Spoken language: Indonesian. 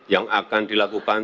yang akan dilakukan